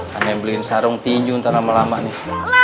kan yang beliin sarung tinju ntar lama lama nih